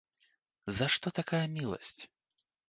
За што такая міласць?